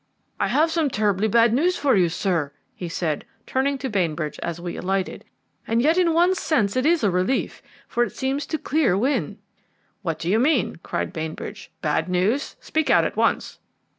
"I have some terribly bad news for you, sir," he said, turning to Bainbridge as we alighted; "and yet in one sense it is a relief, for it seems to clear Wynne." "What do you mean?" cried Bainbridge. "Bad news? Speak out at once!"